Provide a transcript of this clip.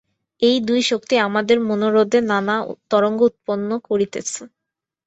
এই দুই শক্তি আমাদের মনোহ্রদে নানা তরঙ্গ উৎপন্ন করিতেছে।